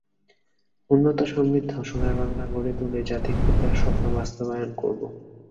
উন্নত সমৃদ্ধ সোনার বাংলা গড়ে তুলে জাতির পিতার স্বপ্ন বাস্তবায়ন করব।